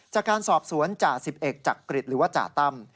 จากการสอบสวนจ่า๑๑จากกริจหรือว่าจ่าต้ำ